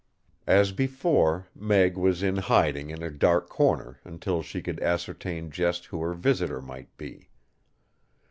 As before, Meg was in hiding in a dark corner until she could ascertain just who her visitor might be.